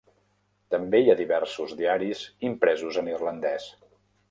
També hi ha diversos diaris impresos en irlandès.